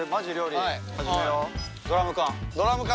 ドラム缶。